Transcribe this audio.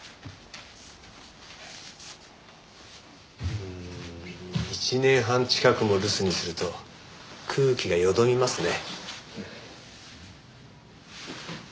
うーん１年半近くも留守にすると空気がよどみますね。